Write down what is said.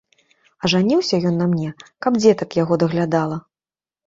А жаніўся ён на мне, каб дзетак яго даглядала.